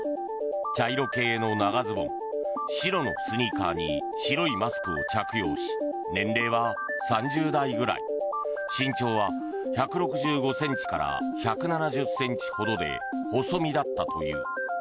茶色系の長ズボン白のスニーカーに白いマスクを着用し年齢は３０代ぐらい身長は１６５ｃｍから１７０ｃｍほどで細身だったという。